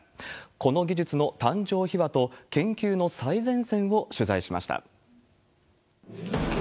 この技術の誕生秘話と、研究の最前線を取材しました。